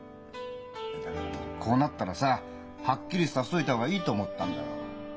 だからこうなったらさはっきりさせといた方がいいと思ったんだよ。